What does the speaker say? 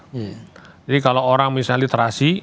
jadi kalau orang misalnya literasi